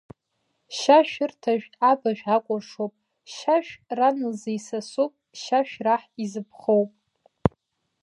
Шьашәырҭажә абажә акәыршоуп, шьашә ран лзы исасуп, шьашә раҳ изыԥхоуп!